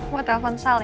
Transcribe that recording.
mau telfon sal ya